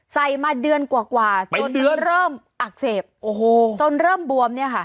มาเดือนกว่าจนเนื้อเริ่มอักเสบโอ้โหจนเริ่มบวมเนี่ยค่ะ